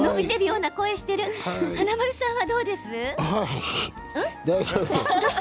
華丸さんはどうですか？